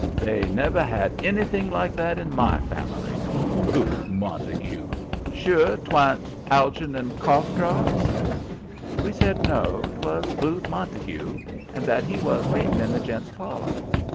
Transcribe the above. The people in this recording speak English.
"They never had anything like that in my family. Booth Montague! Sure 'twa'n't Algernon Cough drops?" We said no, 'twas Booth Montague, and that he was waiting in the gents' parlor.